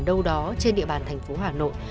đâu đó trên địa bàn thành phố hà nội